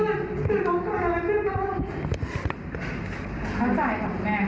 ว่าไม่มีเหตุการณ์ใดทำร้ายเด็กคุณแม่จริง